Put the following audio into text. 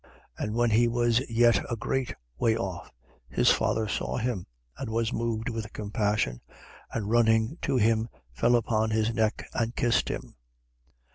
And when he was yet a great way off, his father saw him and was moved with compassion and running to him fell upon his neck and kissed him.